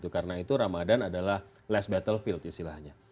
karena itu ramadhan adalah last battlefield istilahnya